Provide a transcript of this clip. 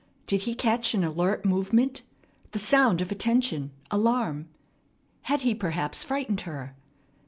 Did he catch an alert movement, the sound of attention, alarm? Had he perhaps frightened her?